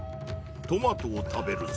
トマトを食べるぞ。